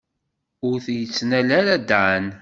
Ur t-yettnal ara Dan.